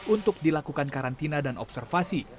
untuk dilakukan karantina dan observasi